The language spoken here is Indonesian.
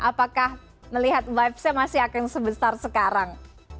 apakah melihat vibe saya masih akan sebesar sekarang